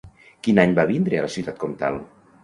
Quin any va vindre a la ciutat comtal?